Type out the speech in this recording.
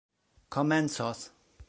komencos